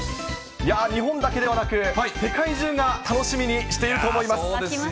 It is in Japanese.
日本だけではなく、世界中が楽しみにしていると思います。